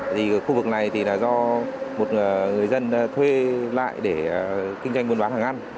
thì khu vực này thì là do một người dân thuê lại để kinh doanh buôn bán hàng ăn